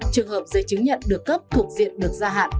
trường hợp giấy chứng nhận được cấp thuộc diện được gia hạn